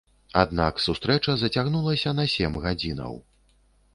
Аднак сустрэча зацягнулася на сем гадзінаў.